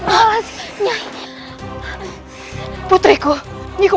mana sih buruk bangun bangun